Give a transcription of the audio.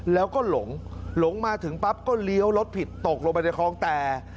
แล้วก็หลงหลงมาถึงปั๊บก็เลี้ยวรถผิดตกลงไปในคลองแต่